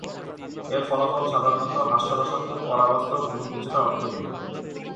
এর ফলাফল সাধারণত হাস্যরসাত্মক, পরাবাস্তব এবং কিছুটা অর্থহীন।